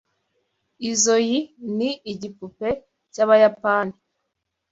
Izoi ni igipupe cyabayapani.